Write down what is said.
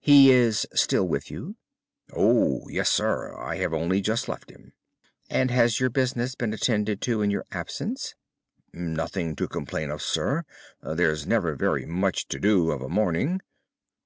"He is still with you?" "Oh, yes, sir; I have only just left him." "And has your business been attended to in your absence?" "Nothing to complain of, sir. There's never very much to do of a morning."